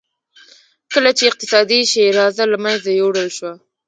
کله چې اقتصادي شیرازه له منځه یووړل شوه.